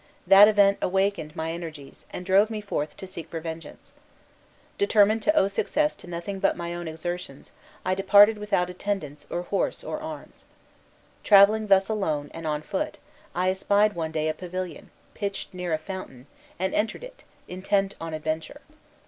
That event awakened my energies, and drove me forth to seek for vengeance. Determined to owe success to nothing but my own exertions, I departed without attendants or horse or arms. Travelling thus alone, and on foot, I espied one day a pavilion, pitched near a fountain, and entered it, intent on adventure.